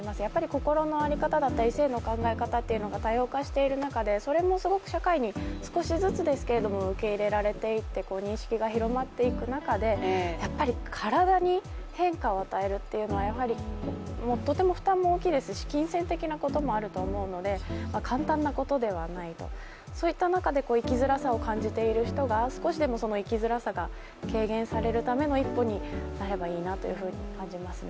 心のあり方だったり性の考え方というのが多様化している中でそれもすごく社会に少しずつですけども受け入れられていって認識が広まっていく中で、やっぱり体に変化を与えるっていうのはやはりとても負担も大きいですし、金銭的なこともあると思うので簡単なことではないとそういった中で生きづらさを感じている人が少しでも生きづらさが軽減されるための一歩になればいいなと思いますね。